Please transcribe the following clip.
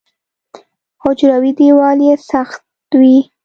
حجروي دیوال یې سخت وي.